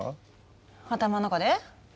頭の中で？